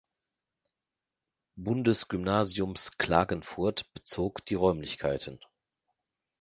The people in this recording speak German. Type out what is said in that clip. Bundesgymnasiums Klagenfurt bezog die Räumlichkeiten.